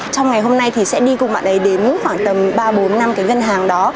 trong ngày hôm nay thì sẽ đi cùng bạn ấy đến khoảng tầm ba bốn năm cái ngân hàng đó